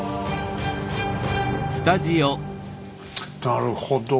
なるほど。